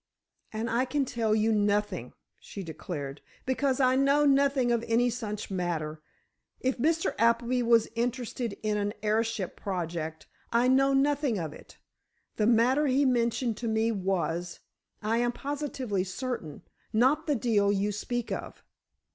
"And I can tell you nothing," she declared, "because I know nothing of any such matter. If Mr. Appleby was interested in an airship project, I know nothing of it. The matter he mentioned to me was, I am positively certain, not the deal you speak of."